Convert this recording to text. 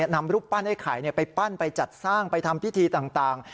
นำรูปปั้นไอ้ไข่ไปปั้นไปจัดสร้างไปทำพิธีต่าง